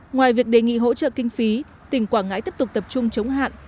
ngoài việc đề nghị hỗ trợ kinh phí tỉnh quảng ngãi tiếp tục tập trung chống hạn